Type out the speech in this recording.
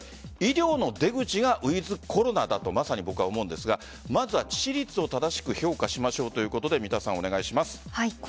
医療の出口がウィズコロナだとまさに僕は思うんですがまずは致死率を正しく評価しましょうということで三田さん、お願いします。